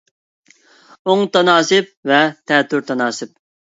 ئوڭ تاناسىپ ۋە تەتۈر تاناسىپ